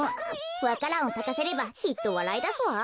わか蘭をさかせればきっとわらいだすわ。